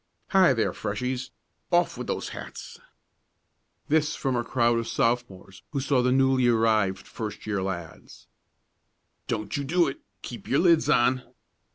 "Hi there, Freshies! Off with those hats!" This from a crowd of Sophomores who saw the newly arrived first year lads. "Don't you do it! Keep your lids on!"